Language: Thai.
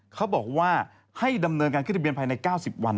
เขาบอกว่าให้ดำเนินการขึ้นทะเบียนภายใน๙๐วัน